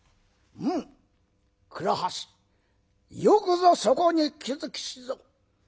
「うん倉橋よくぞそこに気付きしぞ。